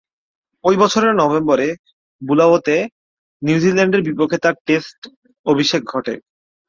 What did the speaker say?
ঐ বছরের নভেম্বরে বুলাওয়েতে নিউজিল্যান্ডের বিপক্ষে তার টেস্ট অভিষেক ঘটে।